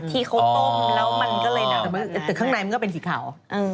แต่ข้างในมันก็เป็นสีขาว